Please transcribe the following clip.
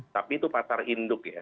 tapi itu pasar induk ya